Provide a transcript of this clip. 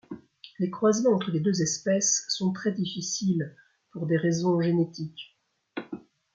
Les croisements entre les deux espèces sont très difficiles pour des raisons génétiques.